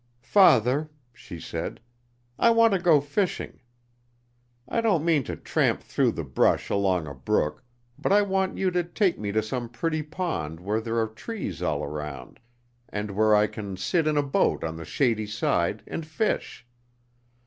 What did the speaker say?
"Father," she said, "I want to go fishing. I don't mean to tramp through the brush along a brook, but I want you to take me to some pretty pond where there are trees all around, and where I can sit in a boat on the shady side and fish.